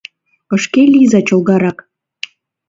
Ышке лийза чолгарак!